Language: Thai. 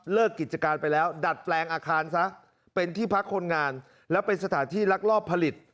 กิจการไปแล้วดัดแปลงอาคารซะเป็นที่พักคนงานแล้วเป็นสถานที่ลักลอบผลิต